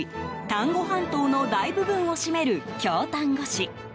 丹後半島の大部分を占める京丹後市。